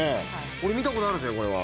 俺見たことあるぜこれは。